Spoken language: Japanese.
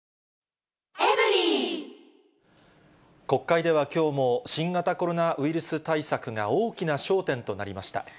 国会ではきょうも、新型コロナウイルス対策が大きな焦点となりました。